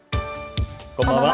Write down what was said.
こんばんは。